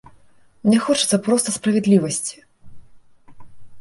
Мне хочацца проста справядлівасці.